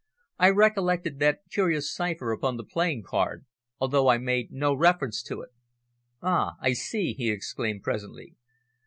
I recollected that curious cipher upon the playing card, although I made no reference to it. "Ah! I see!" he exclaimed presently.